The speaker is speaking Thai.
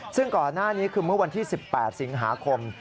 ซึ่งก่อนหน้านี้คือเมื่อวันที่๑๘สิงหาคม